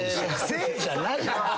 「せい」じゃない。